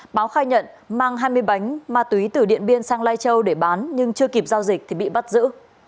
báo khai nhận mang hai mươi bánh ma túy từ điện biên sang lai châu để bán nhưng chưa kịp giao dịch thì bị bắt giữ